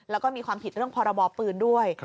แล้วก็มีความผิดเรื่องพรบปืนด้วย